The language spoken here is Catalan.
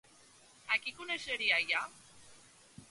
A qui coneixeria allà?